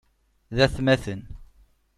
D atmaten.